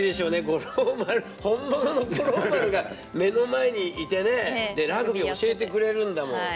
五郎丸本物の五郎丸が目の前にいてねラグビー教えてくれるんだもん。